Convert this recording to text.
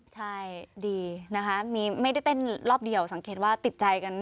ใช่ดีนะคะไม่ได้เต้นรอบเดียวสังเกตว่าติดใจกัน